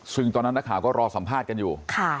ซึ่งตอนนั้นนักข่าวก็รอสัมภาษณ์กันอยู่